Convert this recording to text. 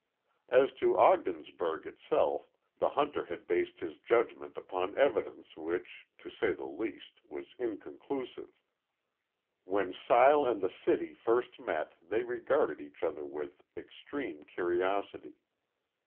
As to Ogdensburg itself, the hunter had based his judgment upon evidence which, to say the least, was inconclusive. When Sile and the city first met, they regarded each other with extreme curiosity.